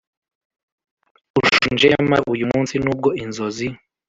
ushonje nyamara uyumunsi nubwo inzozi